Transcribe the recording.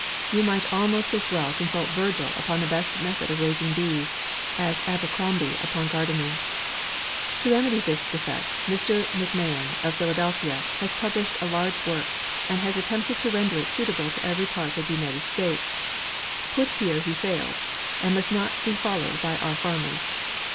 You might almost as well consult Virgil upon the best method of raising bees, as Abercrombie upon garden ing. To remedy this defect, Mr. IVMVlahan, of Philadelphia, has published a large work, and has attempted to render it suitable to every part of the United States ; put here he fails, and must not be followed by our far mers.